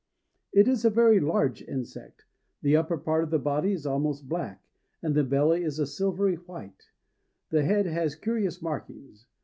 It is a very large insect. The upper part of the body is almost black, and the belly a silvery white; the head has curious red markings.